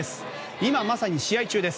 今まさに試合中です。